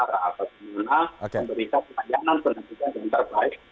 atau bagaimana memberikan layanan pendidikan yang terbaik